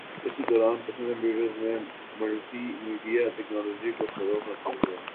اسی دوران personal computers میں ملٹی میڈیا ٹیکنولوجی کو فروغ حاصل ہوا